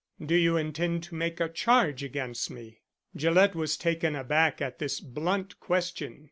"Do you intend to make a charge against me?" Gillett was taken aback at this blunt question.